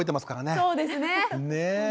そうですね。